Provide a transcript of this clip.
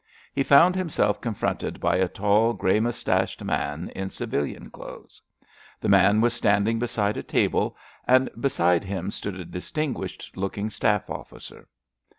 He found himself confronted by a tall, grey moustached man in civilian clothes. The man was standing beside a table, and beside him stood a distinguished looking staff officer.